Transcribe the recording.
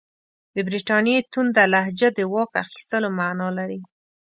د برټانیې تونده لهجه د واک اخیستلو معنی لري.